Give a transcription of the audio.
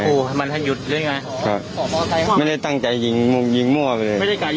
ทำไงไม่ได้ตั้งใจยิงมวล